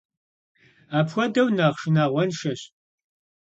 Апхуэдэу нэхъ шынагъуэншэщ.